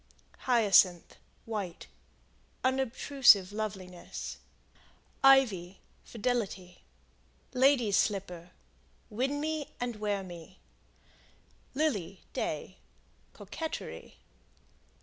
Hyacinth, White Unobtrusive loveliness. Ivy Fidelity. Lady's Slipper Win me and wear me. Lily, Day Coquetry.